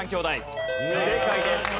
正解です。